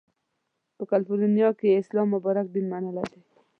په کالیفورنیا کې یې اسلام مبارک دین منلی دی.